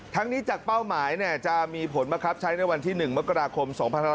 ทั้งนี้จากเป้าหมายจะมีผลบังคับใช้ในวันที่๑มกราคม๒๕๖๒